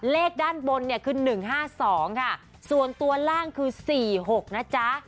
เลขด้านบนเนี่ยคือ๑๕๒ค่ะส่วนตัวล่างคือ๔๖นะจ๊ะ